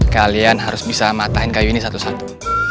kalian harus bisa matahin kayu ini satu satu